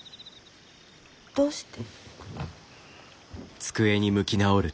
どうして？